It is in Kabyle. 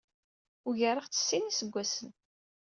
Ugareɣ-tt s sin n yiseggasen.